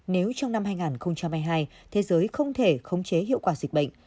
nếu trong năm hai nghìn hai mươi hai thế giới không thể khống chế hiệu quả dịch bệnh